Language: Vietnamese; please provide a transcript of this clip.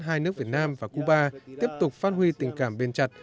hai nước việt nam và cuba tiếp tục phát huy tình cảm bền chặt